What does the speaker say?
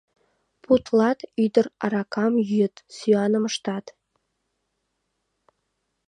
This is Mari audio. — Путлат, ӱдыр аракам йӱыт, сӱаным ыштат...